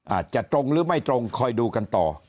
อาจจะตรงหรือไม่ตรงคอยดูกันต่อ